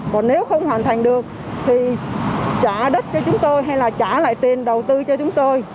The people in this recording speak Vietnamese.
còn nếu không hoàn thành được thì trả đất cho chúng tôi hay là trả lại tiền đầu tư cho chúng tôi